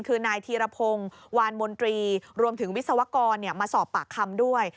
คือนายธีรพงศ์วานมนตรีรวมถึงวิศวกรมาสอบปากคำด้วย